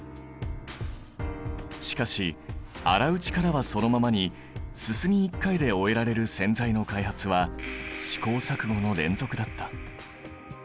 しかし洗う力はそのままにすすぎ１回で終えられる洗剤の開発は試行錯誤の連続だった。